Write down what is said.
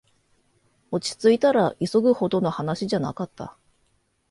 落ちついたら、急ぐほどの話じゃなかった